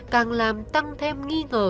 càng làm tăng thêm nghi ngờ